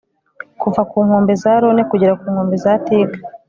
Kuva ku nkombe za Rhône kugera ku nkombe za Tigre